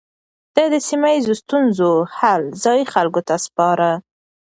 ده د سيمه ييزو ستونزو حل ځايي خلکو ته سپاره.